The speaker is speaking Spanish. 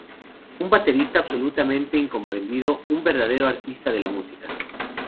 Un baterista absolutamente incomprendido, un verdadero artista de la música.